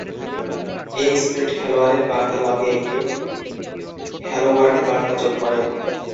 এই স্ক্রিপ্ট খেলোয়াড়ের বার্তা লগে একটি "হ্যালো ওয়ার্ল্ড" বার্তা যোগ করে।